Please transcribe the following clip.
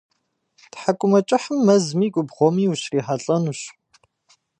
Тхьэкӏумэкӏыхьым мэзми губгъуэми ущрихьэлӏэнущ.